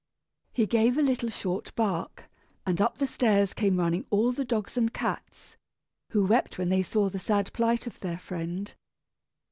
He gave a little short bark, and up the stairs came running all the dogs and cats, who wept when they saw the sad plight of their friend.